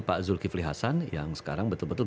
pak zulkifli hasan yang sekarang betul betul